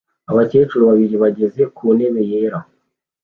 Abakecuru babiri bageze ku ntebe yera